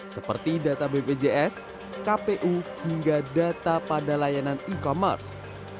seperti data bpjs kpu hingga data pada layanan e commerce